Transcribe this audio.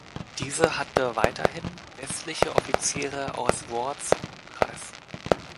Diese hatte weiterhin westliche Offiziere aus Wards Umkreis.